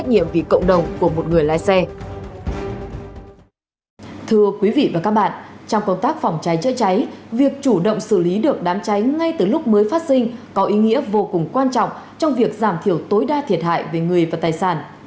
trong công tác phòng cháy chữa cháy việc chủ động xử lý được đám cháy ngay từ lúc mới phát sinh có ý nghĩa vô cùng quan trọng trong việc giảm thiểu tối đa thiệt hại về người và tài sản